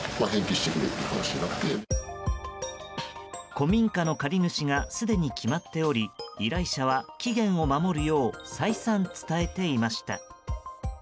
古民家の借り主がすでに決まっており依頼者は期限を守るよう再三、伝えていました。